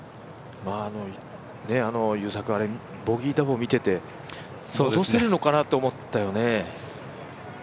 ボギーダボ見て、戻せるのかなと思ったよね。